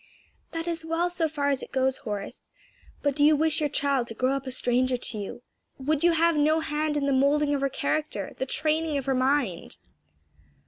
"That is well so far as it goes, Horace, but do you wish your child to grow up a stranger to you? would you have no hand in the moulding of her character, the training of her mind?"